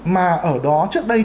mà ở đó trước đây